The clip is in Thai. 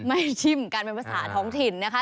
ชิมกันเป็นภาษาท้องถิ่นนะคะ